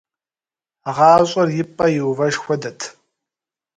ГъащӀэр и пӀэ иувэж хуэдэт…